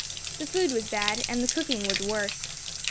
The food was bad, and the cooking was worse.